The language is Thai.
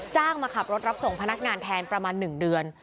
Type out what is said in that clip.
มาขับรถรับส่งพนักงานแทนประมาณ๑เดือน